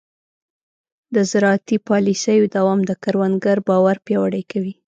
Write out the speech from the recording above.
د زراعتي پالیسیو دوام د کروندګر باور پیاوړی کوي.